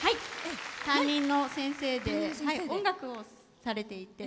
担任の先生で音楽をされていて。